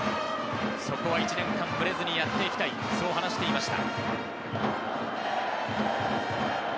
そこは１年間、ブレずにやっていきたい、そう話していました。